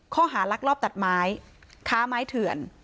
ข้อหารักรอบตัดไม้ค้าไม้เถื่อน